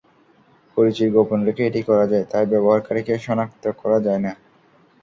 পরিচয় গোপন রেখে এটি করা যায়, তাই ব্যবহারকারীকে শনাক্ত করা যায় না।